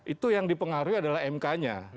itu yang dipengaruhi adalah mk nya